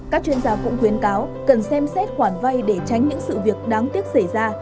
các chuyên gia cũng khuyến cáo cần xem xét khoản vay để tránh những sự việc đáng tiếc xảy ra